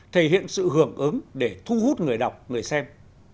thể hiện sự hưởng ứng để thu hút người đọc người xem